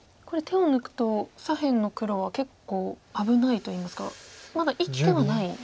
これ手を抜くと左辺の黒は結構危ないといいますかまだ生きてはない。